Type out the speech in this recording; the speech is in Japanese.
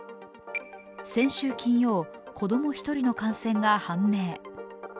先週金曜、子供１人の感染が判明。